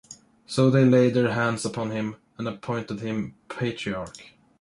So they laid their hands upon him, and appointed him patriarch.